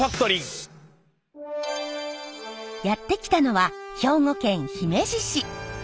やって来たのは兵庫県姫路市。